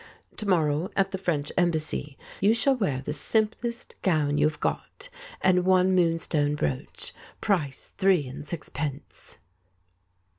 To morrow, at the French Embassy, you shall wear the simplest gown you have got, and one moonstone brooch, price three and sixpence."